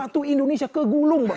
satu indonesia kegulung bang